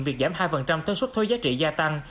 việc giảm hai thế suất thuế giá trị gia tăng